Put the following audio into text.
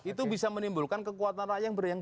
itu bisa menimbulkan kekuatan rakyat yang